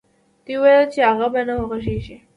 دوی ويل چې هغه به نه وغږېږي.